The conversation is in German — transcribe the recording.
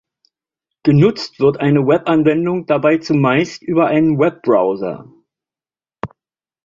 Genutzt wird eine Webanwendung dabei zumeist über einen Webbrowser.